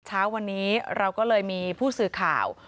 เช้าวันนี้เราก็เลยมีผู้สื่อข่าว